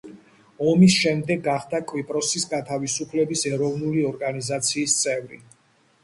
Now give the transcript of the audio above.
ომის შემდეგ გახდა კვიპროსის გათავისუფლების ეროვნული ორგანიზაციის წევრი.